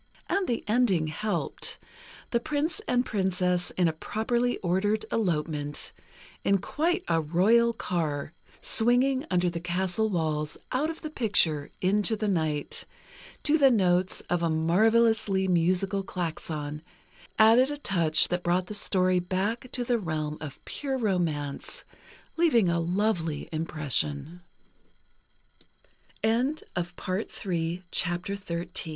And the ending helped: the Prince and Princess, in a properly ordered elopement, in quite a royal car, swinging under the castle walls, out of the picture, into the night, to the notes of a marvelously musical klaxon, added a touch that brought the story back to the realm of pure romance, leaving a lov